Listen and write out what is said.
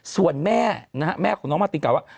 ส่วนแม่นะฮะแม่ของน้องมาตินกล่าว่า